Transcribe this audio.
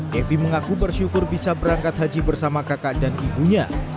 devi mengaku bersyukur bisa berangkat haji bersama kakak dan ibunya